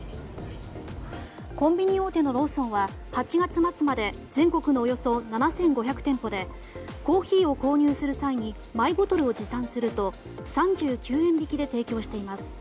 コンビニ大手のローソンは８月末まで全国のおよそ７５００店舗でコーヒーを購入する際にマイボトルを持参すると３９円引きで提供しています。